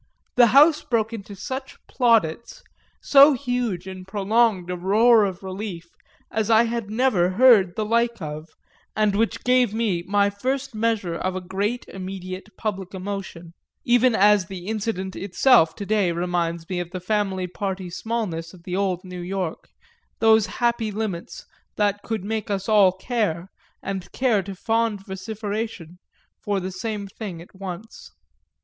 the house broke into such plaudits, so huge and prolonged a roar of relief, as I had never heard the like of and which gave me my first measure of a great immediate public emotion even as the incident itself to day reminds me of the family party smallness of the old New York, those happy limits that could make us all care, and care to fond vociferation, for the same thing at once.